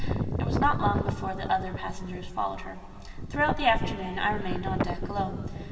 It was not long before the other passengers followed her: throughout the afternoon I remained on deck alone.